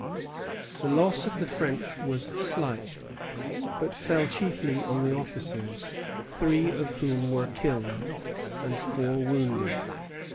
The loss of the French was slight, but fell chiefly on the officers, three of whom were killed, and four wounded.